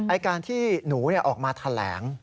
ไอ้การที่หนูเนี่ยออกมาแถลง